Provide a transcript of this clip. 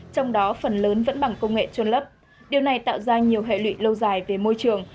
trong đó phần lớn vẫn bằng công nghệ trôn lấp điều này tạo ra nhiều hệ lụy lâu dài về môi trường